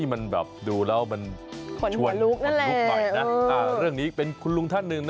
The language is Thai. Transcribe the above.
ทำให้เหมือนวัว